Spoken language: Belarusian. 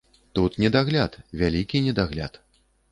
Тут недагляд, вялікі недагляд.